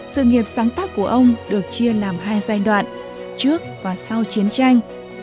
sự nghiệp sáng tác của ông được chia làm hai giai đoạn trước và sau chiến tranh